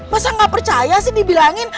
masa nggak percaya sih dibilangin